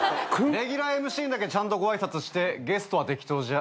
レギュラーＭＣにだけちゃんとご挨拶してゲストは適当じゃ。